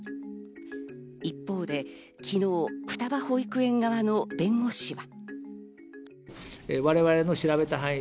一方で昨日、双葉保育園側の弁護士は。